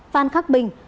phan khắc bình